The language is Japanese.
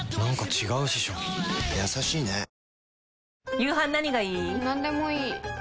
夕飯何がいい？